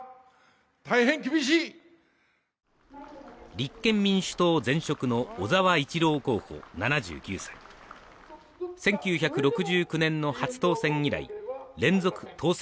立憲民主党前職の小沢一郎候補７９歳１９６９年の初当選以来連続当選